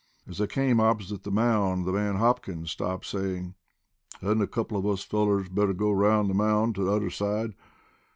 As they came opposite this mound, the man Hopkins stopped, saying: "Hadn't a couple of us fellers better go round the mound on t'other side?